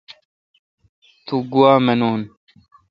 تو گوا منون